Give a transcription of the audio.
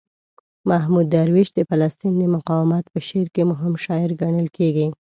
محمود درویش د فلسطین د مقاومت په شعر کې مهم شاعر ګڼل کیږي.